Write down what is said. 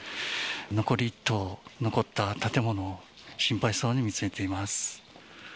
残り１棟、残った建物を心配そうに見つめています。